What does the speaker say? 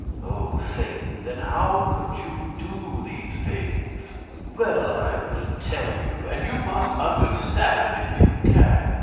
"Oh, Satan, then how could you do these things?" "Well, I will tell you, and you must understand if you can.